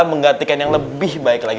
menggantikan yang lebih baik lagi